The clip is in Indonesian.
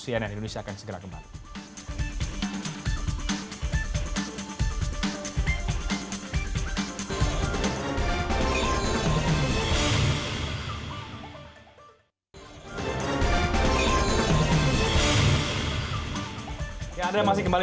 cnn indonesia akan segera kembali